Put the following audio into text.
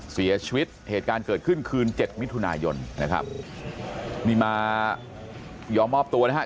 เสียชีวิตเหตุการณ์เกิดขึ้นคืน๗มิถุนายนนะครับมีมายอมมอบตัวนะครับ